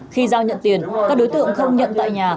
khi giao nhận tiền các đối tượng không nhận tại nhà